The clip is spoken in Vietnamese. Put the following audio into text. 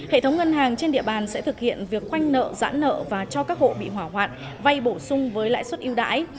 hệ thống ngân hàng trên địa bàn sẽ thực hiện việc khoanh nợ giãn nợ và cho các hộ bị hỏa hoạn vay bổ sung với lãi suất yêu đãi